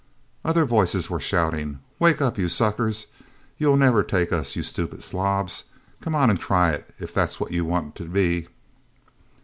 Other voices were shouting. "Wake up, you suckers...! You'll never take us, you stupid slobs...! Come on and try it, if that's what you want to be..."